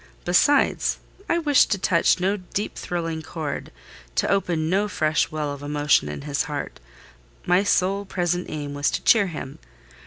Besides, I wished to touch no deep thrilling chord—to open no fresh well of emotion in his heart: my sole present aim was to cheer him.